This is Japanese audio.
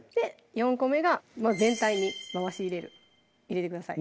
４個目が全体に回し入れる入れてください